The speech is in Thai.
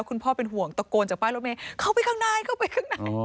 คุณพ่อเป็นห่วงตะโกนจากป้ายรถเมย์เข้าไปข้างในเข้าไปข้างใน